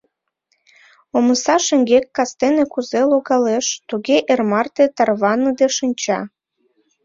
Омса шеҥгек кастене кузе логалеш, туге эр марте тарваныде шинча.